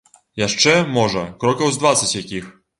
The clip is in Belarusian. Яшчэ, можа, крокаў з дваццаць якіх.